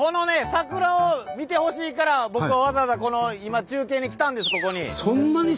桜を見てほしいから僕はわざわざ今中継に来たんですここに。